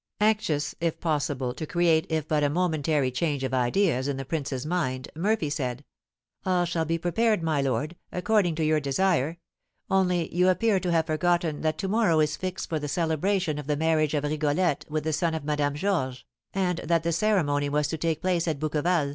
Anxious, if possible, to create if but a momentary change of ideas in the prince's mind, Murphy said, "All shall be prepared, my lord, according to your desire; only you appear to have forgotten that to morrow is fixed for the celebration of the marriage of Rigolette with the son of Madame Georges, and that the ceremony was to take place at Bouqueval.